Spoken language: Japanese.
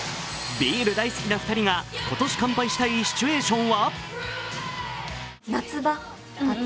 ビール大好きな２人が今年乾杯したいシチュエーションは？